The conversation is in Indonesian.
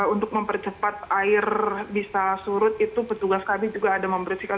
untuk mempercepat air bisa surut itu petugas kami juga ada membersihkan